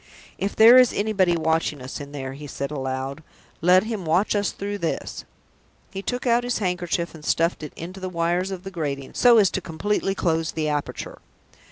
"If there is anybody watching us in there," he said aloud, "let him watch us through this!" He took out his handkerchief, and stuffed it into the wires of the grating, so as completely to close the aperture.